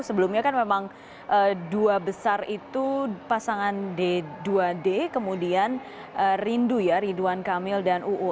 sebelumnya kan memang dua besar itu pasangan d dua d kemudian rindu ya ridwan kamil dan uu